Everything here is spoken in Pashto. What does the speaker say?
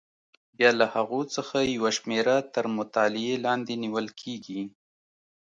بیا له هغو څخه یوه شمېره تر مطالعې لاندې نیول کېږي.